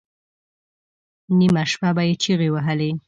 نیمه شپه به یې چیغې وهلې.